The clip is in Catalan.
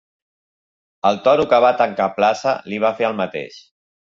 Al toro que va tancar plaça li va fer el mateix.